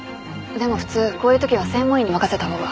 でも普通こういうときは専門医に任せた方が。